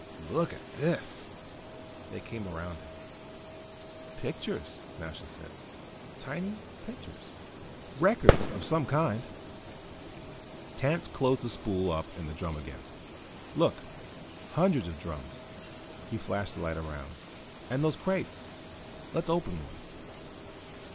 "Look at this!" They came around him. "Pictures," Nasha said. "Tiny pictures." "Records of some kind." Tance closed the spool up in the drum again. "Look, hundreds of drums." He flashed the light around. "And those crates. Let's open one."